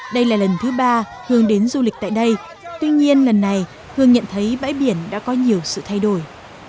đây là lần thứ ba hương đến du lịch tại đây tuy nhiên lần này hương nhận thấy bãi biển đã có nhiều sự thay đổi